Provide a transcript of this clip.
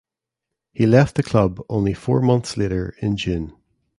He left the club only four months later in June.